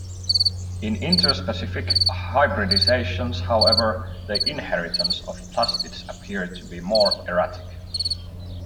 In interspecific hybridisations, however, the inheritance of plastids appears to be more erratic.